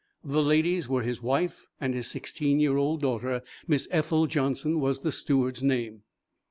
The ladies were his wife and his sixteen year old daughter, Miss Ethel Johnson was the steward's name.